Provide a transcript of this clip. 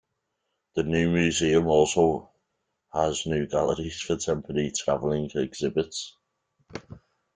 The new museum also has new galleries for temporary traveling exhibits.